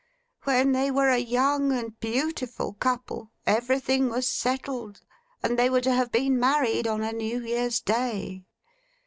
When they were a young and beautiful couple, everything was settled, and they were to have been married on a New Year's Day.